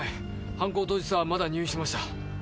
犯行当日はまだ入院してました。